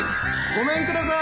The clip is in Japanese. ごめんください！